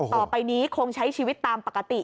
ต่อไปนี้คงใช้ชีวิตตามปกติ